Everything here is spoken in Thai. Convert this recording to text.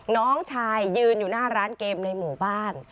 น้องชายยืนอยู่หน้าร้านเกมในหมู่บ้าน